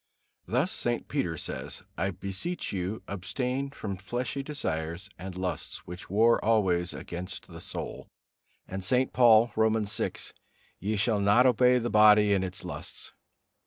Thus St. Peter says, "I beseech you, abstain from fleshly desires and lusts, which war always against the soul." And St. Paul, Romans vi, "Ye shall not obey the body in its lusts."